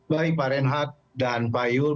baik pak reinhardt dan pak yul